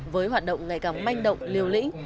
với hoạt động ngày càng manh động liều lĩnh